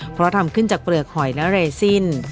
เพราะทำขึ้นจากเปลือกหอยนเรซิน